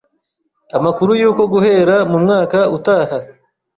amakuru y’uko guhera mu mwaka uutaha